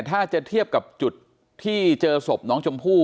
ถ้าจะเทียบกับจุดที่เจอศพน้องชมพู่